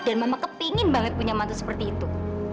dan mama kepengen banget punya mantu seperti itu